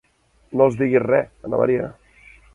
No els diguis res, Anna Maria!